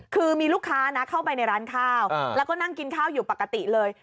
คือมีลูกค้านะเข้าไปในร้านข้าวแล้วก็นั่งกินข้าวอยู่ปกติเลย